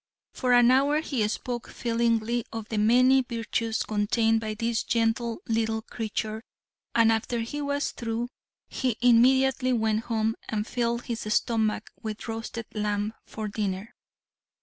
For an hour he spoke feelingly of the many virtues contained by this gentle little creature and after he was through he immediately went home and filled his stomach with roasted lamb for dinner.